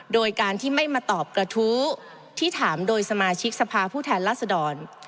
โดยการที่ไม่มาตอบกระทู้ที่ถามโดยสมาชิกสภาผู้แทนรัศดร